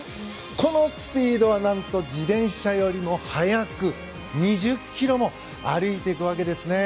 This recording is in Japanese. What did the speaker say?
このスピードは何と自転車よりも速く２０ｋｍも歩いていくわけですね。